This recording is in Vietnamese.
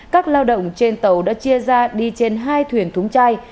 các lao động trên tàu đã chia ra đi trên hai thuyền thúng chai